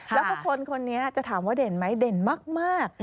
แล้วก็คนคนนี้จะถามว่าเด่นไหมเด่นมาก